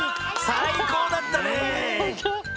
さいこうだったね。